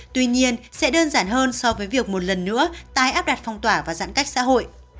tuy nhiên sẽ đơn giản hơn so với việc một lần nữa tái áp đặt phong tỏa và giãn cách xã hội